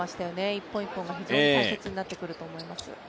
１本１本が非常に大切になってくると思います。